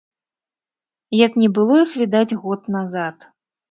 Як не было іх відаць год назад.